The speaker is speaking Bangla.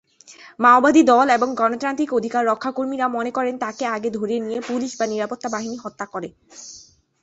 মাওবাদী দল এবং গণতান্ত্রিক অধিকার রক্ষা কর্মীরা মনে করেন তাকে আগে ধরে নিয়ে পুলিশ বা নিরাপত্তা বাহিনী হত্যা করে।